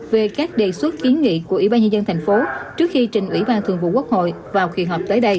về các đề xuất kiến nghị của ủy ban nhân dân tp hcm trước khi trình ủy ban thường vụ quốc hội vào khi họp tới đây